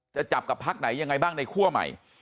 จะจับกับพักไหนยังไงบ้างในคั่วใหม่